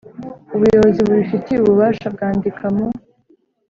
Ubuyobozi bubifitiye ububasha bwandika mu